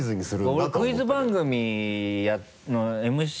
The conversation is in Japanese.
俺クイズ番組のＭＣ。